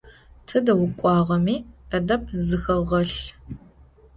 Тыдэ укӀуагъэми Ӏэдэб зыхэгъэлъ.